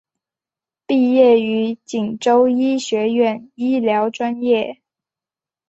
毕业于锦州医学院医疗专业。